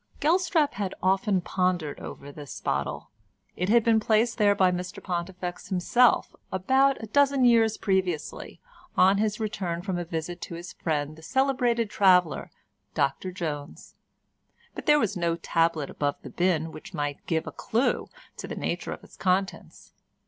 Gelstrap had often pondered over this bottle. It had been placed there by Mr Pontifex himself about a dozen years previously, on his return from a visit to his friend the celebrated traveller Dr Jones—but there was no tablet above the bin which might give a clue to the nature of its contents.